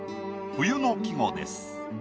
冬の季語です。